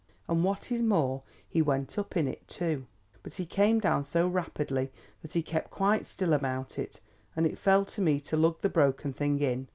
And what is more, he went up in it, too, but he came down so rapidly that he kept quite still about it, and it fell to me to lug the broken thing in.